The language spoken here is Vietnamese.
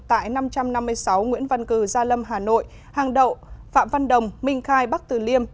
tại năm trăm năm mươi sáu nguyễn văn cử gia lâm hà nội hàng đậu phạm văn đồng minh khai bắc tử liêm